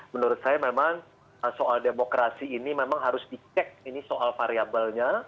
menurut saya memang soal demokrasi ini memang harus dicek ini soal variabelnya